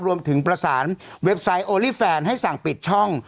รวมถึงประสานเว็บไซต์โอลี่แฟนให้สั่งปิดช่อง